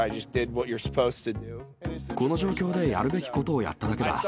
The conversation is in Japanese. この状況でやるべきことをやっただけだ。